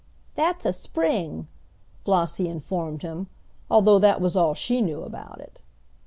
"That's a spring," Flossie informed him, although that was all she knew about it.